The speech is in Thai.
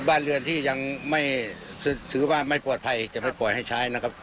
บ้านเรือนที่ยังไม่ถือว่าไม่ปลอดภัยจะไม่ปล่อยให้ใช้นะครับ